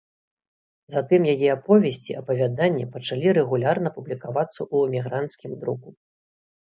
Затым яе аповесці, апавяданні пачалі рэгулярна публікавацца ў эмігранцкім друку.